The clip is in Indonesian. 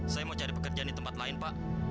saya mau cari pekerjaan di tempat lain pak